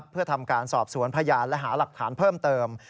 เพื่อทำการสอบสวนพยานและหาหลักฐานเพิ่มเติม